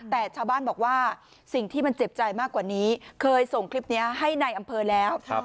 แต่ชาวบ้านบอกว่าสิ่งที่มันเจ็บใจมากกว่านี้เคยส่งคลิปนี้ให้ในอำเภอแล้ว